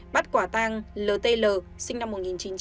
bắt quả tang ltl sinh năm một nghìn chín trăm tám mươi ba